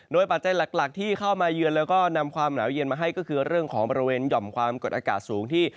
ปัจจัยหลักที่เข้ามาเยือนแล้วก็นำความหนาวเย็นมาให้ก็คือเรื่องของบริเวณหย่อมความกดอากาศสูงที่